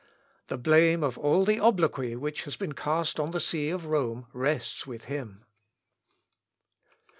The blame of all the obloquy which has been cast on the see of Rome rests with him."